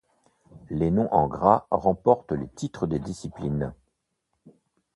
Les noms en gras remportent les titres des disciplines.